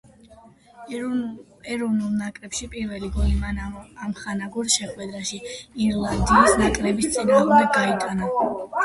ეროვნულ ნაკრებში პირველი გოლი მან ამხანაგურ შეხვედრაში ირლანდიის ნაკრების წინააღმდეგ გაიტანა.